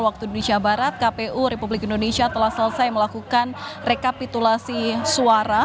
waktu indonesia barat kpu republik indonesia telah selesai melakukan rekapitulasi suara